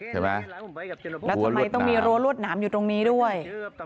ใช่ไหมแล้วทำไมต้องมีรั้วรวดหนามอยู่ตรงนี้ด้วย